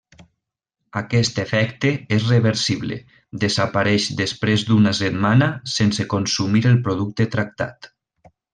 Aquest efecte és reversible, desapareix després d’una setmana sense consumir el producte tractat.